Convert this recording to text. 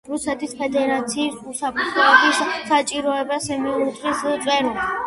რუსეთის ფედერაციის უსაფრთხოების საბჭოს მუდმივი წევრი.